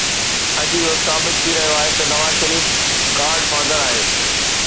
اڄ اهو ثابت ٿي رهيو آهي ته نواز شريف گاڊ فادر آهي.